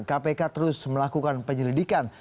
kpk terus melakukan penyelidikan